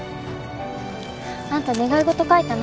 あんた願い事書いたの？